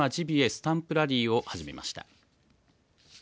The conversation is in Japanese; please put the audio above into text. スタンプラリーを始めました。